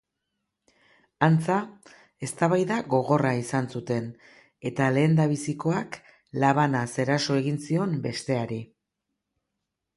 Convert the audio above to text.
Antza, eztabaida gogorra izan zuten eta lehendabizikoak labanaz eraso egin zion besteari.